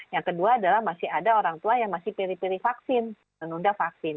yang kedua adalah masih ada orang tua yang masih pilih pilih vaksin menunda vaksin